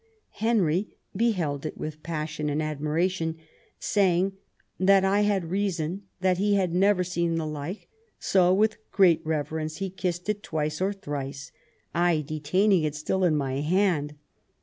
Henry " beheld it with passion and admiration, say ing that I had reason, that he had never seen the like; so with great reverence he kissed it twice or thrice, I detaining it still in my hand.